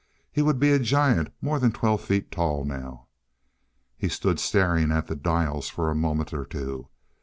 He would be a giant more than twelve feet tall now.... He stood staring at the dials for a moment or two.